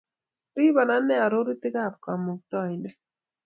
Ripon anee arorutik ap Kamuktaindet.